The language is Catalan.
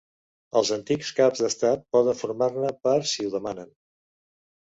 Els antics caps d'estat poden formar-ne part si ho demanen.